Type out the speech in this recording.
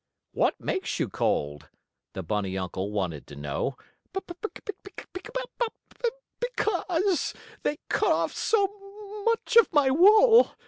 "What makes you cold?" the bunny uncle wanted to know. "Because they cut off so much of my wool.